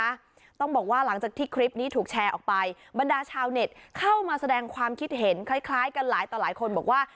ต้องบอกว่าหลังจากที่คลิปนี้ถูกแชร์ออกไปบรรดาชาวเน็ตเข้ามาแสดงความคิดเห็นคล้ายคล้ายกันหลายต่อหลายคนบอกว่า